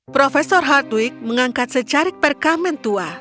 profesor hardwig mengangkat secarik perkamen tua